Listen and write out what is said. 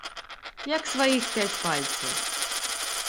Як сваіх пяць пальцаў.